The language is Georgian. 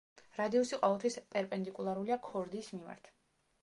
რადიუსი ყოველთვის პერპენდიკულარულია ქორდის მიმართ.